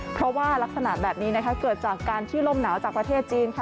เพราะว่ารักษณะแบบนี้นะคะเกิดจากการที่ลมหนาวจากประเทศจีนค่ะ